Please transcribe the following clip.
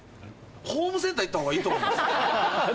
ホームセンター行ったほうがいいと思いますよ。